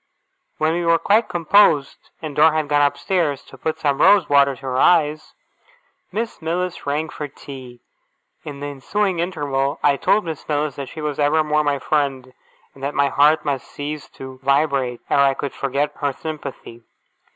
When we were quite composed, and Dora had gone up stairs to put some rose water to her eyes, Miss Mills rang for tea. In the ensuing interval, I told Miss Mills that she was evermore my friend, and that my heart must cease to vibrate ere I could forget her sympathy.